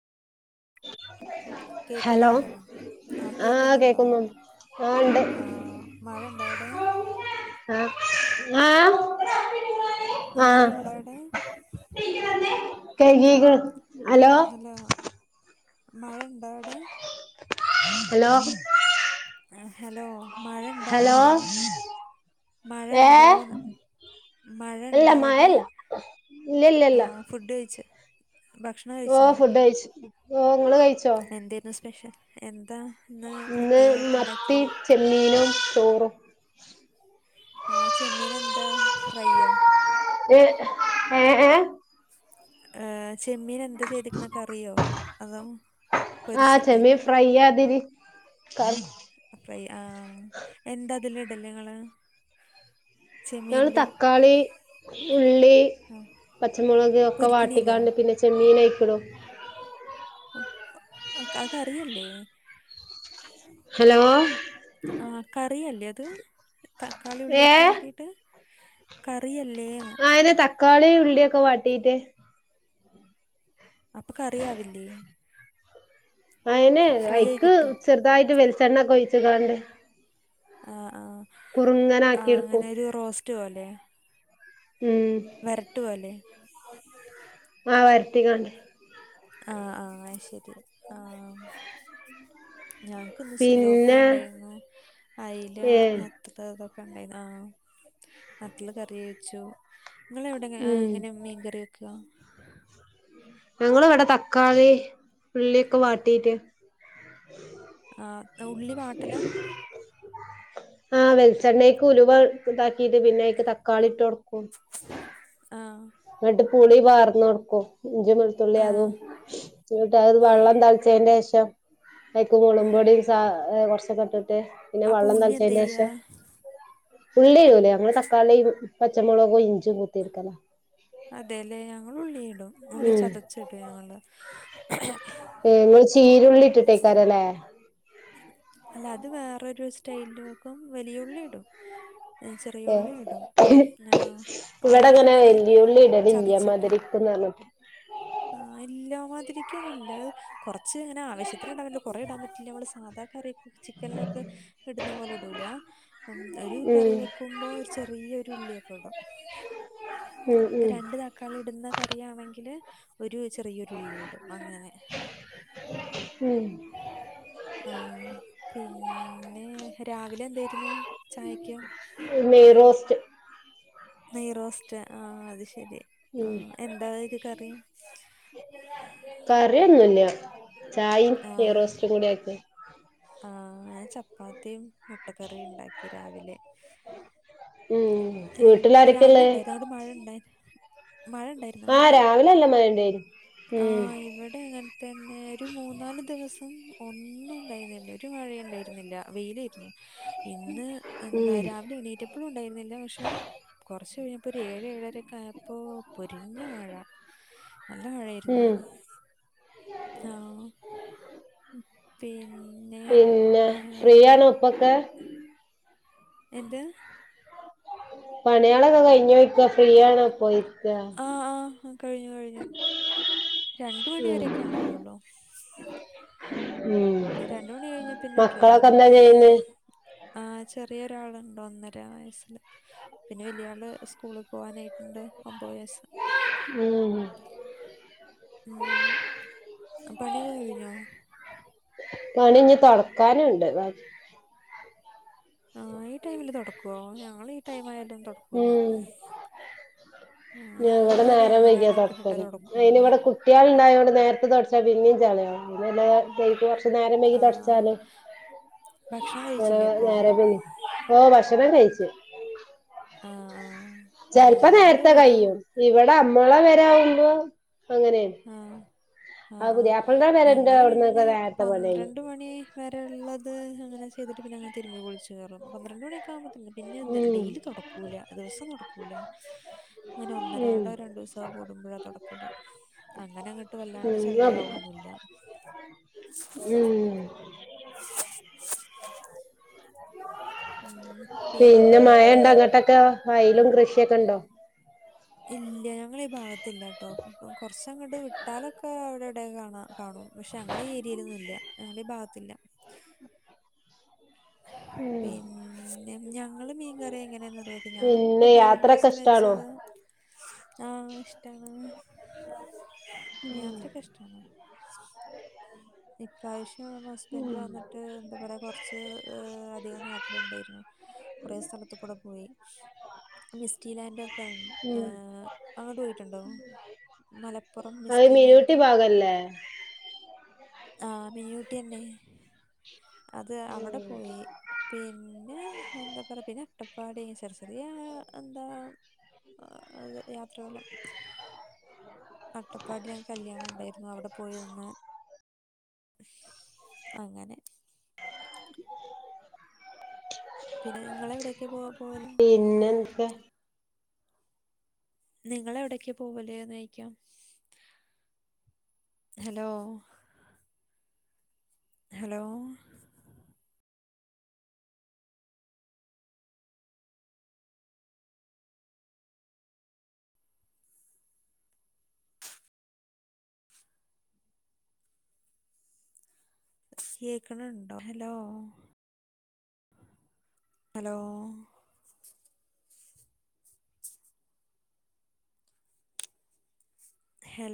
hello കേക്കുന്നുണ്ടോ ആ കേക്കുന്നുണ്ടോ ആ ഉണ്ട് ആ മഴ ഇണ്ടോ അവിടെ അഹ് ആ മഴ ഉണ്ടോ അവിടെ അഹ് [unintelligible] ഹലോ മഴ ഇണ്ടോ അവിടെ ഹലോ ഹലോ മഴ ഇണ്ടോ ഹലോ അവിടെ ഏ മഴണ്ടോന്ന് മഴ അല്ല ഇണ്ടോ അവിടെ മഴല്ല ഇല്ല ഇല്ല ആ ഇല്ല ഫുഡ് കഴിച് ഓ ഫുഡ് കഴിച്ചു ഓ നിങൾ കഴി എന്തായിരുന്നു സ്പെഷ്യൽ എ ഇന്ന് മത്തി ചെമ്മീനും ചോറും അഹ് ചെമ്മീൻ എന്താ ഫ്രൈയ്യോ എ ഏ ഏ ഏഹ് ചെമ്മീൻ എന്ത് ചെയ്തിക്കണൊക്കെ അറിയോ അതോ പൊരിച്ചക്കെ കർ ഫ്രൈ അഹ് എന്താ അതില് ഇഡല് നിങ്ങൾ ഞങ്ങള് തക്കാളി ഉള്ളി ആ പച്ചമുളക് ഒക്കെ പൊരിക്കണില്ലോ വാട്ടിക്കാണ്ട് പിന്നെ ചെമ്മീനയിക്ണു അത് കറിയല്ലേ ഹലോ ആ കറിയല്ലേ അത് തക്കാളി ഉള്ളിയൊക്കെ വാട്ടീട് ക ആയിത് തക്കാളി ഉള്ളിയൊക്കെ വാട്ടീട് അപ്പൊക്കറിയാവില്ലേ അയിനെ ആയി എനിക്ക് കിട്ടും ചെറുതായിട്ട് വെളിച്ചെണ്ണ ഒക്കെ ഒഴിച്ച കാണ്ട് ആ ആ അ എടുക്കും അങ്ങനെരു റോസ്സ്റ് പോലെ ഉം വരട്ടു പോല്ലെ ആ വരുത്തിക്കണ്ടേ ആ അഹ് ശരി ആ ഞങ്ങക്ക് പിന്നെ സുലോപ്യ ഉണ്ടായിരുന്നു അയില ഏ [unintelligible] ണ്ടായി അ നതാൽ കറി വെച്ചു നിങ്ങള എവിടെ എങ്ങനെ ഉം ഉഹ് ങ്ങനാ മീൻ കറി വെക്കുക ഞങൾ ഇവിടെ തക്കാളി ഉള്ളിയൊക്കെ വാട്ടീറ്റ് ആ ഉള്ളി വാട്ടല അഹ് വെളിച്ചെണ്ണക്ക് ഉലുവ ഇതാക്കീട്ട് പിന്നെക്ക് തക്കാളി ഇട്ട് കൊടുക്കും അഹ് എന്നിട്ട് പുള്ളി വാർന്ന് കൊടുക്കും ആ ആ [unintelligible] കൈക്ക് ആ മുള്ളും പൊടി ച്ച കുറച് പട്ടിട്ട് പിന്നെ അപ്പൊ വെള്ളം ഉള്ളി എന്ത് തളച്ചതിന്റെ ചെയ്യാ ശേഷം ഉള്ളരുുംല്ലേ അങ്ങനെ തക്കാളി പച്ചമുളകും ഇഞ്ചും പൂത്തിടുക്കല അതേല്ലേ ഞങ്ങൾ ഉള്ളിടും ഉള്ളി ഉം ചതച്ചിടും ഞങ്ങൾ നിങ്ങൾ ചീരുള്ളി ഇട്ടിട്ടേക്കാരല്ലേ ഉം അല്ല അത് വേറൊരു സ്റ്റൈലിൽ വെക്കും വലിയ ഉള്ളി ഇടും ഏ, ചെറിയ ഉള്ളി ഇടും ആ ഇവിടെങ്ങനെ ഒന്നിങ്ങനെ വലിയഉള്ളി ഇടലില മാതിരിക്കുന്ന [inaudible] ആ ഇല്ല മ തിരികൊന്നില്ല കുറച്ച് അങ്ങനെ ആവശത്തിന് ഇടാൻ കുറെ ഇടാൻ പറ്റില്ല നമ്മള് സാധാ കറി ചിക്കനിലൊക്കെ ഇടുന്ന പോലെ ഇടൂല ഒരു കറി ഉം വെക്കുമ്പോ ഒരു ചെറിയരു ലിയകട്ടോ ഉം ഇപ്പ ഉം രണ്ട് തക്കാളി ഇടുന്ന കറിയാണെങ്കിൽ ഒരു ചെറിയൊരുള്ളി ഇടും അങ്ങനെ ഉം ആ പിൻ പിന്നെ രാവിലെ എന്തായിരുന്നു ചായക്ക് നെയ്റോസ്റ്റ് നെയ്റോസ്റ്റ് ആ അത്ശ ശരി ആ ഉം എന്താര് കറി കറിയൊന്നുല്ല ചായയും നെയ്റോസ്റ്റും കൂടി ആയ്റ്റ് ആ ഞാൻ ചപ്പാത്തിം മുട്ടക്കറിം ണ്ടാക്കി രാവിലെ ഉം അയോ രാവിലെ വീട്ടിലാരൊക്കെയുള്ളേ ഉണ്ടായിരുന്നു [unintelligible] മഴ ഉണ്ടായിന ആ രാവിലെ നല്ല മഴണ്ടേ ആ ഇവിടെ അങ്ങൻ തന്നെ ഒരു മൂന്നാല് ദിവസം ഒന്നും ഉണ്ടായിരുന്നില്ല ഒരു മഴയ ഉണ്ടായിരുന്നില്ല വെയിലേരുന്നു ഇന്ന് എന്താ ഉം രാവിലെ എണീറ്റ്പ്പഴും ഉണ്ടായിരുന്നില്ല പക്ഷെ കുറച്ച് കഴിഞ്ഞപ്പോ ഒര് ഏഴ് ഏഴ ഴരക്കായപ്പോ പൊരിഞ്ഞ മഴ നല്ല മഴ ആയിരുന്നു ഉം ആ പിൻ പിന്നെ ഫ്രീയാണോ ഇപ്പൊക്കെ എന്ത് പണിയളൊക്കെ കഴിഞ്ഞോഴ്ക്ക ഫ്രീ ആണോ പ്പൊയ് അ ആ കഴിഞ്ഞു കഴിഞ്ഞു രണ്ട് മണി ഉം വരൊക്കെ ഉണ്ടാവുള്ളൂ ഉം രണ്ട് മണി കഴിഞ്ഞ പിന്നെ ഫ്രീ മക്കളൊക്കെ ആണോ എന്താ ചെയ്യുന്നെ ആ ചെറിയ ഒരാളുണ്ട് ഒന്നര വയസ്സില് പിന്നെ വലിയ ആള് സ്കൂളിൽ പോവാനായിട്ടുണ്ട് ഒമ്പത് വയസ്സ് ഉം ഉം പണിയൊകെ കഴിഞ്ഞോ പണി ഞ്ഞി തൊട്ക്കാനുണ്ട് വെ ആ ഈ ടൈമില് തുടക്കോ ഞങ്ങള് ഈ ടൈമായാലും തൊട്ക്കൂല ഞാൻ ഇവിടെ നേരം വൈക്യ തൊട്ക്കല് അയിനി തുടക്കുള്ളൂ ഇവിടെ കുട്ടാൾണ്ടായോണ്ട് നേർത്തെ തൊട്ച് പിന്നെ പിന്നിം ചളിയാവും പിന്നെലെ കയ്കി വർഷ് നേരം വയ്കി ആ, തൊട്ച്ചാല് ഭക്ഷണം ങ്ങനെ കഴിച്ചില്ലേ ഇപ്പോൾ നേരം വയ്കി ഏ ഭക്ഷ [unintelligible] ആ ആ ആ ചെൽപ്പോ ഞങ്ങൾ നേരത്തെ ഒരു കയ്യും ഇവ ഇവടെ അമ്മളെ വരാവുമ്പോ അങ്ങനെണ് അ ആ ഞങ്ങള് പിന്നെ അവിടുന്നൊക്കെ നേരത്തെ പണി പന്ത്രണ്ട് മണി വരെ ഉള്ളത് അ ചെയ്ത്ട്ട് പിന്നെങ്ങ തിരുമ്പി കുളിച്ച് കേറും പന്ത്രണ്ട് മണി ഒക്കെ ആകുമ്പൊ കഴിയും പിന്നെന്ത് ഉം ഡെയിലി തുടക്കൂല ദിവസം തുടക്കൂല അങ്ങനെ ഉം ഒന്നരാടോ രണ്ടൂസോ കൂടുമ്പഴ് തുടക്കില്ല അങ്ങനെ അങ്ങട്ട് വല്ലാണ്ട് ഉം ചെളിയ അത് ആവൊന്നുല്ല ഉം [inaudible] ഉം [inaudible] പിന്നെ മഴ ഇണ്ട അങ്ങട്ടൊക്കെ വയലും കൃഷിയൊക്കെ ഇണ്ടോ ഇല്ല ഞങ്ങളെ ഈ ഭാഗത്തില്ലാട്ടോ കൊറച്ചങ്ങോട്ട് വിട്ടാലൊക്കെ അവിടെ വടെ കാണാ കാണൂ പക്ഷെ ഞങ്ങളെ ഏരിയലൊന്നു ഇല്ല ഞങ്ങളുടെ ഈ ഭാഗത്തില്ല [inaudible] പിന്നെ ഞങ്ങള് മീൻകറി എങ്ങനെയന്ന് അറിവക്ക ഞാൻ ഇപ്പൊ പിന്നെ കഴിഞ്ഞ യാത്രൊക്കെ ദിവസം ഇഷ്ടാണോ വെച്ചത് ആ ഇഷ്ടാണ യാത്രക്കെ ഇഷ്ടാണ് ഇപ്രാവിശ് ഹസ്ബൻഡ് വന്നിട്ട് എന്താ പറയ കുറച്ച് അധികം നാട്ടിലുണ്ടായിരുന്നു കുറേ സ് ടുത്തുക്കൂടെ പോയി മിസ്റ്റി ലാൻഡ് ഒക്കെ ഏ ഉം അങ്ങോട്ട് പോയിട്ടുണ്ടോ മലപ്പുറം അത് മിനിയൂട്ടി ഭാഗല്ലേ ആ മിനിഊട്ടിയന്നെ അത് അവടെ പോയി പിന്നെ എന്താ പറ പിന്നെ അട്ടപ്പാടി ചെറിയ ചെറിയ അന്താ അത് യാത്രകളും അട്ടപ്പാടിയാൻ കല്യാണം ഉണ്ടായിരുന്നു അവിടെ പോയി നിന്നു അങ്ങനെ പിന്നെ നിങ്ങളെവിടേക്ക് പോ പോവല് [inaudible] പിന്നെന്ത നിങ്ങള് എവിടേക്ക പോവല് ന്നോയിക്കാം ഹലോ ഹലോ കേക്കണുണ്ടോ ഹലോ ഹലോ ഹൽ